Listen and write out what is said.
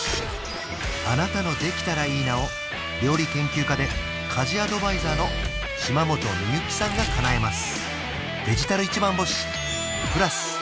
あなたの「できたらいいな」を料理研究家で家事アドバイザーの島本美由紀さんがかなえます